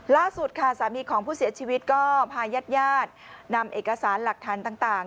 ล่าสุดค่ะสามีของผู้เสียชีวิตก็พาญาติญาตินำเอกสารหลักฐานต่าง